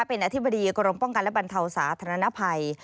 เป็นอธิบดีกรมป้องกันและบรรเทาสาธารณภัย